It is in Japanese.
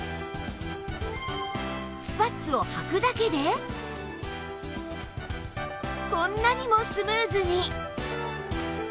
スパッツをはくだけでこんなにもスムーズに